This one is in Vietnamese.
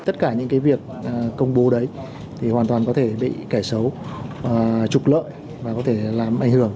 tất cả những cái việc công bố đấy thì hoàn toàn có thể bị kẻ xấu trục lợi và có thể làm ảnh hưởng